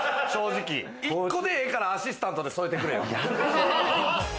１個でええから、アシスタントで添えてくれよ。